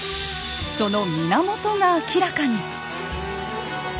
その源が明らかに！